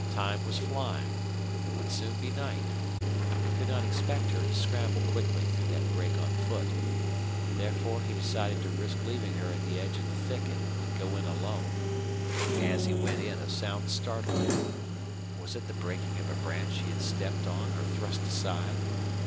Time was flying. It would soon be night. He could not expect her to scramble quickly through that brake on foot. Therefore he decided to risk leaving her at the edge of the thicket and go in alone. As he went in a sound startled him. Was it the breaking of a branch he had stepped on or thrust aside?